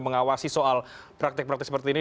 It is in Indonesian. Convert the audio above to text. mengawasi soal praktik praktik seperti ini